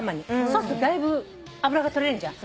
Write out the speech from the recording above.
そうするとだいぶ脂が取れるじゃん。